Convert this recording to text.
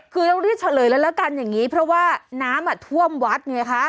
คือต้องได้เฉลยโลกนี้แล้วเพราะว่าน้ำท่วมวัด